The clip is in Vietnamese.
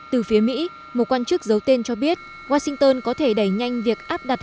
từ phía mỹ một quan chức giấu tên cho biết washington có thể đẩy nhanh việc áp đặt